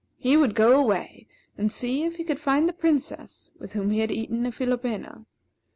He would go away, and see if he could find the Princess with whom he had eaten a philopena.